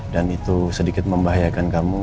dan itu sedikit membahayakan kamu